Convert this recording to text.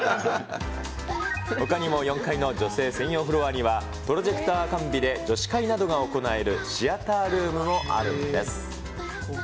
ほかにも４階の女性専用フロアにはプロジェクター完備で女子会などが行えるシアタールームもあるんです。